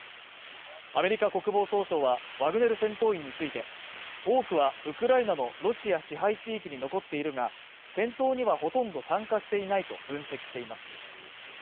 アメリカ国防総省は、ワグネル戦闘員について多くはウクライナのロシア支配地域に残っているが、戦闘にはほとんど参加していないと分析しています。